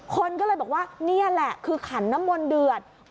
คนก็เลยบอกว่านี่แหละคือขันน้ำมนต์เดือด